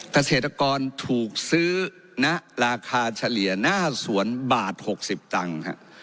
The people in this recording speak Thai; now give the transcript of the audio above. เกษตรกรถูกซื้อณราคาเฉลี่ยหน้าสวนบาท๖๐ตังค์